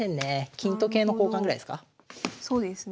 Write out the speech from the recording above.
金と桂の交換ぐらいですか。